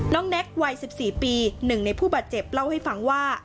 แน็กวัย๑๔ปี๑ในผู้บาดเจ็บเล่าให้ฟังว่า